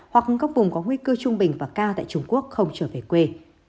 hoặc các vùng có nguy cơ trung bình và cao tại trung quốc không trở về quê